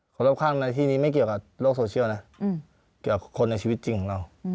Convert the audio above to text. รอบข้างในที่นี้ไม่เกี่ยวกับโลกโซเชียลนะเกี่ยวกับคนในชีวิตจริงของเรา